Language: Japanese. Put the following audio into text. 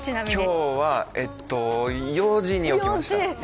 今日は４時に起きました。